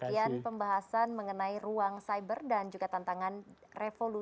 demikian pembahasan mengenai ruang cyber dan juga tantangan revolusi